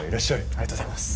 ありがとうございます。